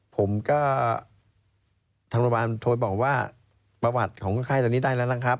ผมก็ทางโรงพยาบาลโทรบอกว่าประวัติของคนไข้ตอนนี้ได้แล้วนะครับ